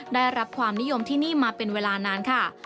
ได้รับความนิยมที่นี่มาเป็นเวลานานค่ะ